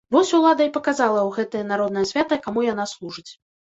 Вось улада і паказала ў гэтае народнае свята, каму яна служыць.